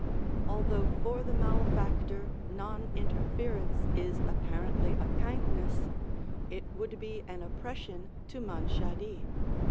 Although for the malefactor non interference is apparently a kindness, it would be an oppression to Manshadi.